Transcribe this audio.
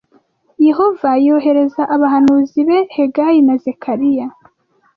Yehova yohereza abahanuzi be Hagayi na Zekariya